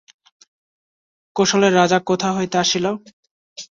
কোশলের রাজা কোথা হইতে আসিল?